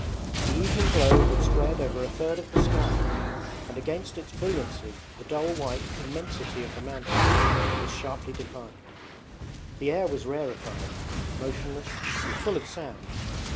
The evening glow had spread over a third of the sky, and against its brilliancy the dull white immensity of the mountains was sharply defined. The air was rarefied, motionless, and full of sound.